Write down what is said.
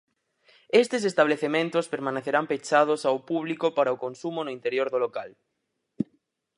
Estes establecementos permanecerán pechados ao público para o consumo no interior do local.